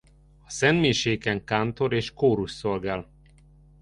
A szentmiséken kántor és kórus szolgál.